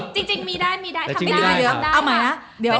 จริงมีได้ทำแล้ว